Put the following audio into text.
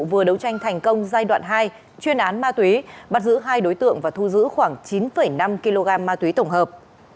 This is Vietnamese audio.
vừa đấu tranh thành công giai đoạn hai chuyên án ma túy bắt giữ hai đối tượng và thu giữ khoảng chín năm kg ma túy tổng hợp